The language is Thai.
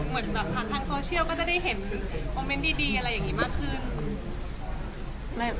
เพื่อนทางโสเชียลก็จะได้เห็นโมเมนต์ดีมากขึ้น